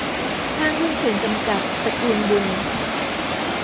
ห้างหุ้นส่วนจำกัด ตระกูลบุญ